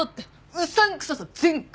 うさんくささ全開！